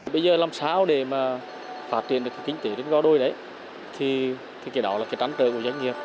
bây giờ làm sao để phát triển được kinh tế đến go đôi đấy thì cái đó là tránh tợi của doanh nghiệp